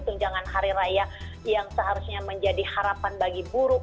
tunjangan hari raya yang seharusnya menjadi harapan bagi buruh